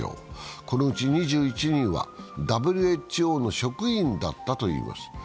このうち２１人はＷＨＯの職員だったといいます。